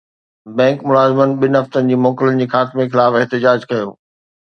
bank ملازمن ٻن هفتن جي موڪلن جي خاتمي خلاف احتجاج ڪيو